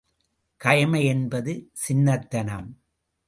கயமை என்பது சின்னத்தனம்!